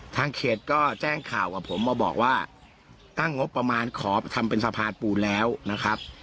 ทางเขตก็แจ้งข่าวกับผมมาบอกว่าตั้งงบประมาณขอทำเป็นสะพานปูนแล้วนะครับ